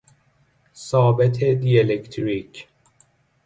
ثابت دی الکتریک